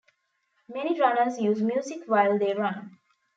Many runners use music while they run.